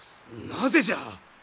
なぜじゃ！